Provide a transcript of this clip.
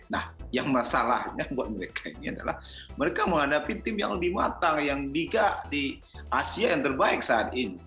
nah yang masalahnya buat mereka ini adalah mereka menghadapi tim yang lebih matang yang di asia yang terbaik saat ini